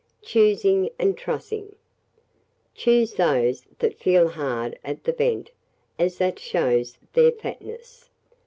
Choosing and Trussing. Choose those that feel hard at the vent, as that shows their fatness.